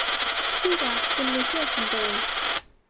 ที่รัก คุณไม่เชื่อฉันเลย